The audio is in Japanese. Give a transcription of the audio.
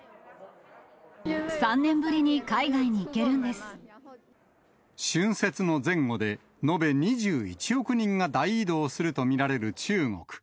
３年ぶりに海外に行けるんで春節の前後で、延べ２１億人が大移動すると見られる中国。